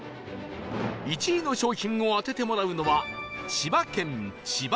１位の商品を当ててもらうのは